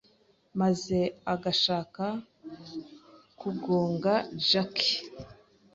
maze agashaka kugonga Jackie